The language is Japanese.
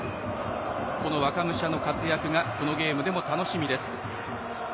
この若武者の活躍がこのゲームでも楽しみです。